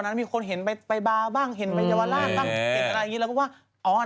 หนูก็จะพูดอย่างนี้อยู่ด้วย